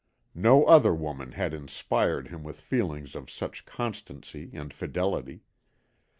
No other woman had inspired him with feelings of such constancy and fidelity.